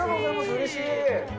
うれしい。